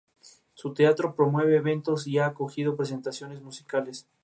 Además ha participado en producciones extranjeras en países como Ecuador o Colombia.